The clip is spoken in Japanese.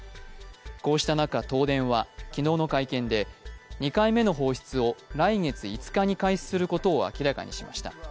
こうした中東電は昨日の会見で２回目の放出を来月５日に開始することを明らかにしました。